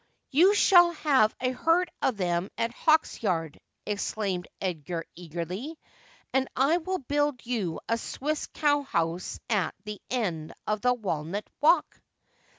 ' You shall have a herd of them at Hawksyard,' exclaimed Edgar eagerly ;' and I will build you a Swiss cowhouse at the end of the walnut walk.'